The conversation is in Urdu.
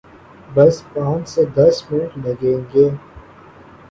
بس پانچھ سے دس منٹ لگئیں گے۔